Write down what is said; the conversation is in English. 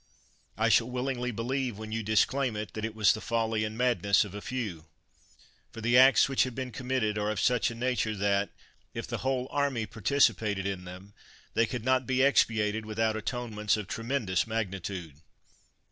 I shall willingly believe, when you disclaim it, that it was the folly and madness of a few. For the acts which have been committed are of such a nature that, if the whole army participated in them, they could not be expiated without atonements of tremendous magnitude.